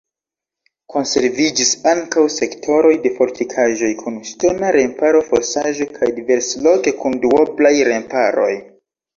Konserviĝis ankaŭ sektoroj de fortikaĵoj kun ŝtona remparo, fosaĵo kaj diversloke kun duoblaj remparoj.